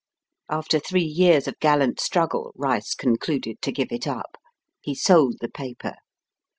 After three years of gallant struggle, Rice con cluded to give it up. He sold the paper.